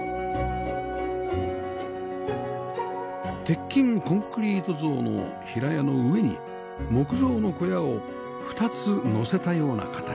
鉄筋コンクリート造の平屋の上に木造の小屋を２つ載せたような形